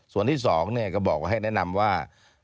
ส่วนที่๒เนี่ยก็บอกให้แนะนำว่า